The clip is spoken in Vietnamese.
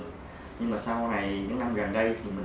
giành được phong tặng danh hiệu